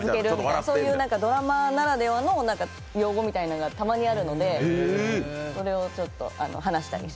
そういうドラマならではの用語みたいなのがたまにあるのでそれを話したりして。